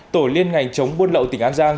tổ liên ngành chống buôn lậu tỉnh an giang